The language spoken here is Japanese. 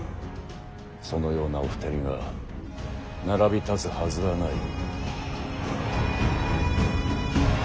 そのようなお二人が並び立つはずはない。